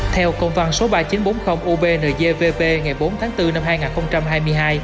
theo công văn số ba nghìn chín trăm bốn mươi ubnzvp ngày bốn tháng bốn năm hai nghìn hai mươi hai